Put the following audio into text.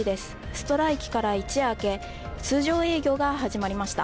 ストライキから一夜明け通常営業が始まりました。